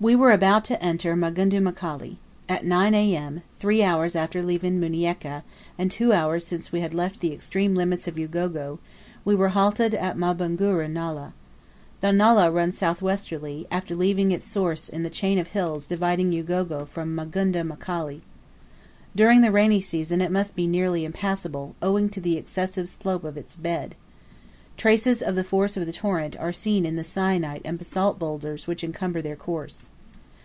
We were about to enter Magunda Mkali. At 9 A.M., three hours after leaving Munieka, and two hours since we had left the extreme limits of Ugogo, we were halted at Mabunguru Nullah. The Nullah runs southwesterly after leaving its source in the chain of hills dividing Ugogo from Magunda Mkali. During the rainy season it must be nearly impassable, owing to the excessive slope of its bed. Traces of the force of the torrent are seen in the syenite and basalt boulders which encumber the course.